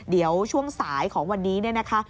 เดี๋ยวช่วงสายของวันนี้เนี่ยนะคะ